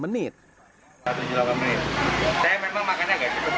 delapan menit saya memang makannya agak cepat sih